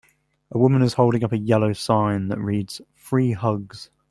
A woman is holding up a yellow sign that reads free hugs